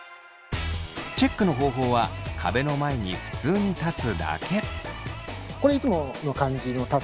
チェックの方法は壁の前に普通に立つだけ。